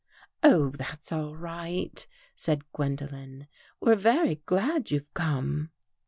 " Oh, that's all right," said Gwendolen. " We're very glad you've come."